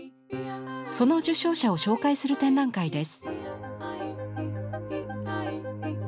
その受賞者を紹介する展覧会です。